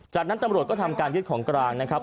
จากนั้นตำรวจก็ทำการยึดของกลางนะครับ